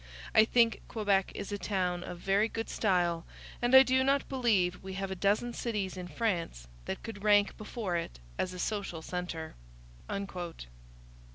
I think Quebec is a town of very good style, and I do not believe we have a dozen cities in France that could rank before it as a social centre.'